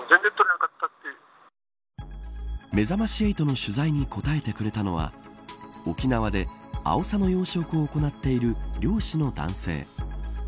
めざまし８の取材に答えてくれたのは沖縄で、あおさの養殖を行っている漁師の男性。